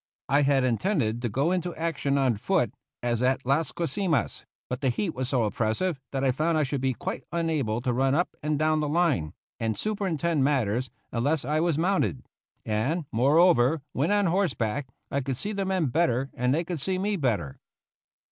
I had intended to go into action on foot as at Las Guasimas, but the heat was so oppressive that I found I should be quite unable to run up and down the line and superintend matters unless I was mounted; and, moreover, when on horseback, I could see the men better and they could see me better.